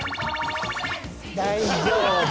大丈夫！